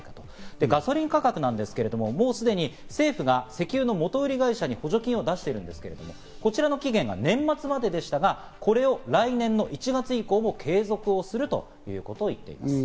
で、ガソリン価格なんですが、すでに政府が石油の元売り会社に補助金を出しているんですけど、こちらの期限が年末まででしたが、これを来年の１月以降も継続するということを言っています。